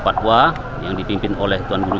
papua yang dipimpin oleh tuan guru